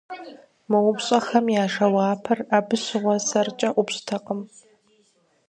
А упщӀэхэм я жэуапыр абы щыгъуэ сэркӀэ ӀупщӀтэкъым.